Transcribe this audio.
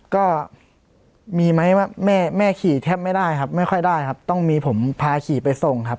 ก็มีไหมว่าแม่แม่ขี่แทบไม่ได้ครับไม่ค่อยได้ครับต้องมีผมพาขี่ไปส่งครับ